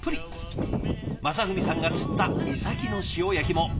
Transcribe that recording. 正文さんが釣ったイサキの塩焼きも。